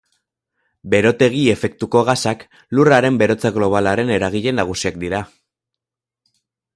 Berotegi-efektuko gasak Lurraren berotze globalaren eragile nagusiak dira.